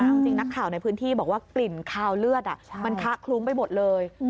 เอาจริงนักข่าวในพื้นที่บอกว่ากลิ่นคาวเลือดมันคะคลุ้งไปหมดเลย